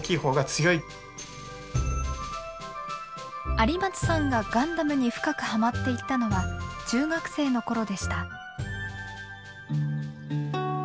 有松さんが「ガンダム」に深くハマっていったのは中学生の頃でした。